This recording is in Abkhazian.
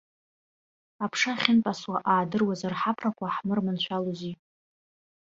Аԥша ахьынтәасуа аадыруандаз ҳаԥрақәа ҳмырманшәалози!